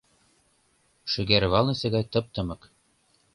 Шӱгарвалнысе гай тып-тымык.